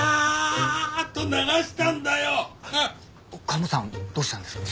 カモさんどうしたんですか？